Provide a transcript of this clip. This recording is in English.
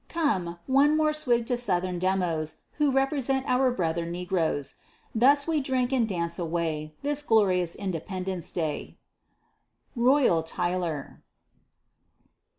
Come, one more swig to Southern Demos Who represent our brother negroes. Thus we drink and dance away, This glorious INDEPENDENCE DAY! ROYALL TYLER.